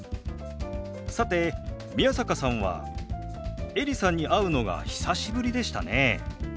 さて宮坂さんはエリさんに会うのが久しぶりでしたね。